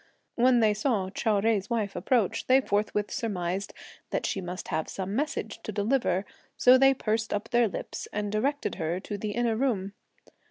When they saw Chou Jui's wife approach, they forthwith surmised that she must have some message to deliver, so they pursed up their lips and directed her to the inner room.